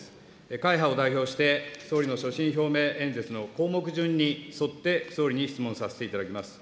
会派を代表して、総理の所信表明演説の項目順に沿って総理に質問させていただきます。